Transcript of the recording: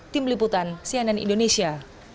tim liputan cnn indonesia